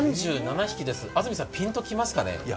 安住さん、ピンときますかね？